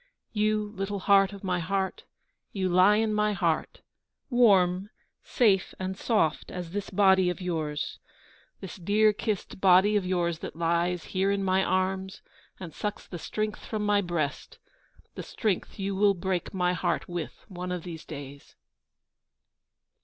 You, little heart of my heart, You lie in my heart, Warm, safe and soft as this body of yours, This dear kissed body of yours that lies Here in my arms and sucks the strength from my breast, The strength you will break my heart with one of these days.